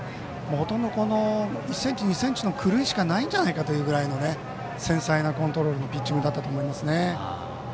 ほとんど１ｃｍ、２ｃｍの狂いしかないんじゃないかという繊細なコントロールのピッチングだったと思いますね。